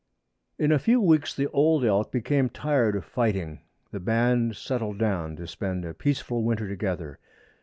In a few weeks the old elk became tired of fighting. The band settled down to spend a peaceful winter together.